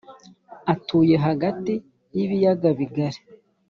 atuye hagati k’ibiyaga bigari